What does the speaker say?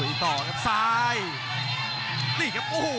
คมทุกลูกจริงครับโอ้โห